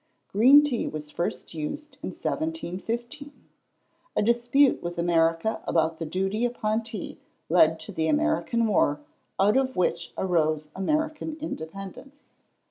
Green tea was first used in 1715. A dispute with America about the duty upon tea led to the American war, out of which arose American independence.